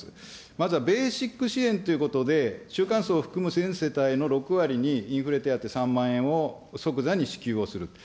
まずはベーシック支援ということで、中間層を含む全世帯の６割にインフレ手当３万円を即座に支給をする。